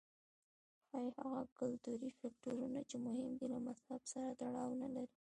ښايي هغه کلتوري فکټورونه چې مهم دي له مذهب سره تړاو نه لري.